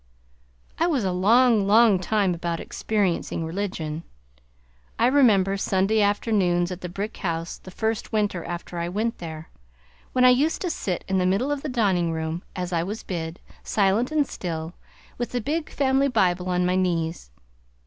I was a long, long time about "experiencing religion." I remember Sunday afternoons at the brick house the first winter after I went there; when I used to sit in the middle of the dining room as I was bid, silent and still, with the big family Bible on my knees.